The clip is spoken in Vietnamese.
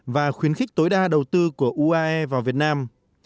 và khuyến khích tối đa đầu tư của uae vào việt nam